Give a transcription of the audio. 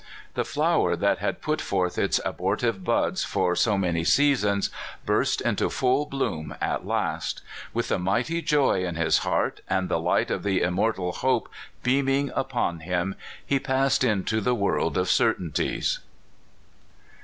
The flower that had put forth its abortive buds for so many seasons, burst into full bloom at last. With the mighty joy in his heart, and the light of the immortal hope beaming upon him, he passed into the World of Certainties.